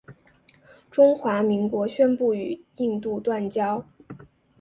中华民国宣布与印度断交。